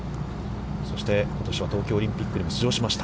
そして、ことしは東京オリンピックにも出場しました。